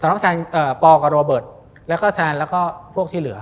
สำหรับปอกับโรเบิร์ตแล้วก็แซนแล้วก็พวกที่เหลือ